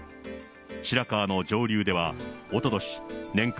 白川の上流では、おととし、年間